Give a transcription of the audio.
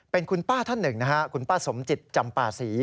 เป็นคุณป้าท่านหนึ่งนะฮะคุณป้าสมจิตจำป่าศรี